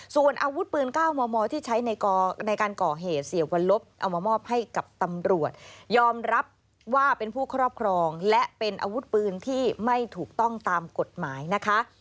ส่วนอาวุธปืน๙มมที่ใช้ในการก่อเหตุเสียวัลลบเอามามอบให้กับตำรวจยอมรับว่าเป็นผู้ครอบครองและเป็นอาวุธปืนที่ไม่ถูกต้องตามกฎหมายนะคะ